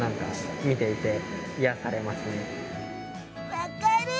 分かる。